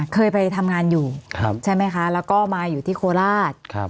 เคยไปทำงานอยู่ใช่ไหมคะแล้วก็มาอยู่ที่โคราช